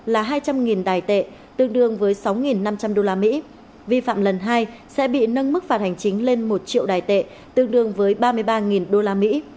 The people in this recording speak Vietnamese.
là hai trăm linh tài tệ tương đương với sáu năm trăm linh đô la mỹ vi phạm lần hai sẽ bị nâng mức phạt hành chính lên một triệu tài tệ tương đương với ba mươi ba đô la mỹ